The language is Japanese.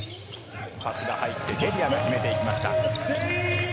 パスが入って、デリアが決めていきました。